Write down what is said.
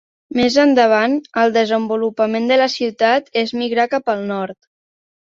Més endavant, el desenvolupament de la ciutat es migrar cap al nord.